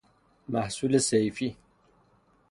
محصول صیفی